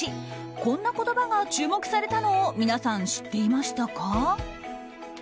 こんな言葉が注目されたのを皆さん、知っていましたか？